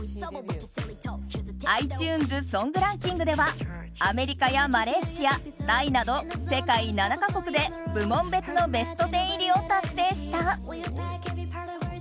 ｉＴｕｎｅｓソングランキングではアメリカやマレーシア、タイなど世界７か国で部門別のベスト１０入りを達成した。